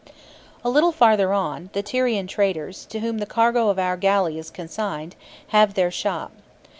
A little farther on, the Tyrian traders, to whom the cargo of our galley is consigned, have their shop.